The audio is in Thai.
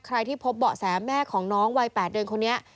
ที่พบเบาะแสแม่ของน้องวัย๘เดือนคนนี้